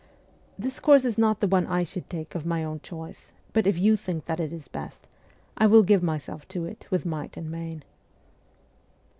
This course is not the one I should take of my own choice ; but if you think that it is best, I will give myself to it with might and main.'